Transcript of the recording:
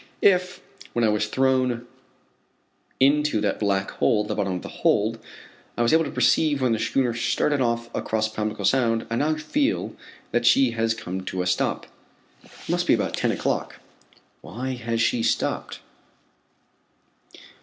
If, when I was thrown into that black hole at the bottom of the hold, I was able to perceive when the schooner started off across Pamlico Sound, I now feel that she has come to a stop. It must be about ten o'clock. Why has she stopped?